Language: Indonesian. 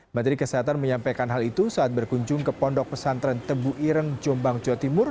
menteri kesehatan menyampaikan hal itu saat berkunjung ke pondok pesantren tebu ireng jombang jawa timur